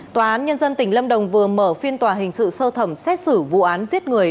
tòa án nhân dân tỉnh lâm đồng vừa mở phiên tòa hình sự sơ thẩm xét xử vụ án giết người